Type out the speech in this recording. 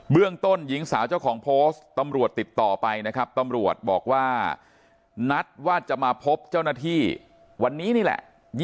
เรื่องต้นหญิงสาวเจ้าของโพสต์ตำรวจติดต่อไปนะครับตำรวจบอกว่านัดว่าจะมาพบเจ้าหน้าที่วันนี้นี่แหละ